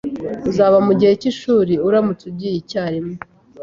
Uzaba mugihe cyishuri uramutse ugiye icyarimwe